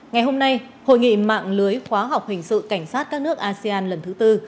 ngày hôm nay hội nghị mạng lưới khóa học hình sự cảnh sát các nước asean lần thứ tư